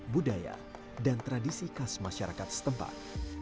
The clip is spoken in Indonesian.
budaya dan tradisi khas masyarakat setempat